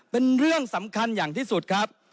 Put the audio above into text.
เป็นเรื่องสำคัญอย่างที่สุดครับ